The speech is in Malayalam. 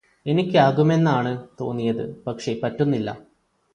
എനിക്കാകുമെന്നാണ് തോന്നിയത് പക്ഷേ പറ്റുന്നില്ല